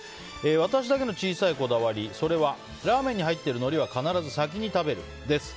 私だけの小さいこだわりそれはラーメンに入っているのりは必ず先に食べるです。